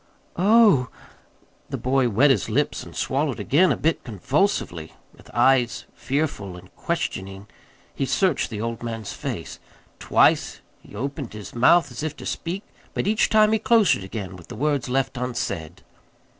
"Oh h!" The boy wet his lips and swallowed again a bit convulsively. With eyes fearful and questioning he searched the old man's face. Twice he opened his mouth as if to speak; but each time he closed it again with the words left unsaid.